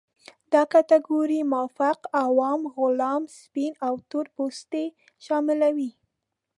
دا کټګورۍ مافوق، عوام، غلام، سپین او تور پوستې شاملوي.